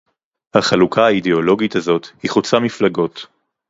החלוקה האידיאולוגית הזאת היא חוצה מפלגות